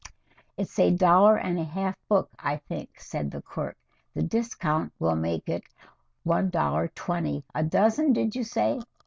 "It's a dollar and a half book, I think," said the clerk. "The discount will make it $1.20 a dozen, did you say?